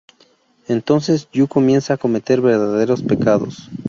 Entonces, Yu comienza a cometer verdaderos pecados.